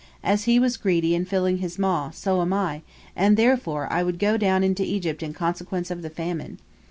As he was greedy in filling his maw, so am I, and therefore I would go down into Egypt in consequence of the famine.